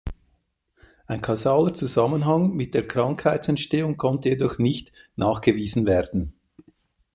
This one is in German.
Ein kausaler Zusammenhang mit der Krankheitsentstehung konnte jedoch nicht nachgewiesen werden.